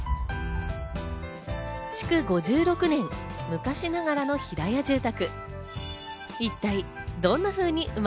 築５６年、昔ながらの平屋住宅。